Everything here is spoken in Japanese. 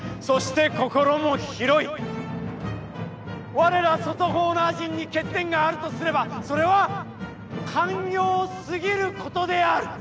われら外ホーナー人に欠点があるとすれば、それは寛容すぎることである！